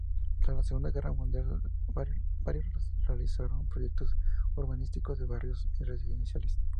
Tras la Segunda Guerra Mundial realizó varios proyectos urbanísticos de barrios residenciales.